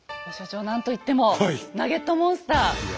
所長何といってもナゲットモンスター。